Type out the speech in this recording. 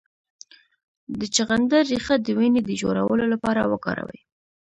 د چغندر ریښه د وینې د جوړولو لپاره وکاروئ